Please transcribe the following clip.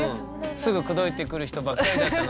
すぐ口説いてくる人ばっかりだったのに。